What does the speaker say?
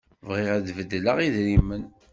Bɣiɣ ad d-beddleɣ idrimen.